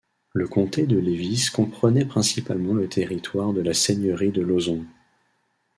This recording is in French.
Le comté de Lévis comprenait principalement le territoire de la seigneurie de Lauzon.